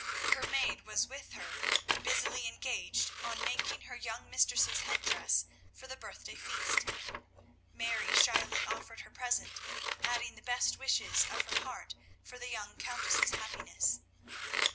Her maid was with her busily engaged on making her young mistress's head dress for the birthday feast. Mary shyly offered her present, adding the best wishes of her heart for the young Countess's happiness.